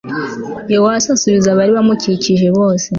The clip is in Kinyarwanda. yowasi asubiza abari bamukikije bose